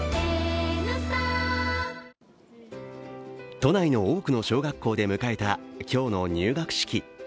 都内の多くの小学校で迎えた今日の入学式。